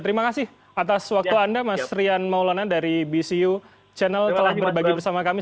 terima kasih atas waktu anda mas rian maulana dari bcu channel telah berbagi bersama kami